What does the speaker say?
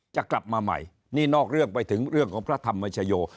จะกลับมาใหม่นี่นอกเรื่องไปถึงเรื่องของพระธรรมชโย